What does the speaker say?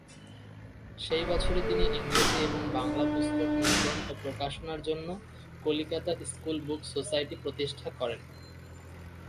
সেই বছরই তিনি ইংরেজি এবং বাংলা পুস্তক মুদ্রণ ও প্রকাশনার জন্য ‘কলিকাতা স্কুল বুক সোসাইটি’ প্রতিষ্ঠা করেন।